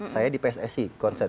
saya di pssi konsen